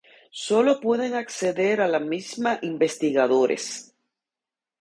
Solo pueden acceder a la misma investigadores.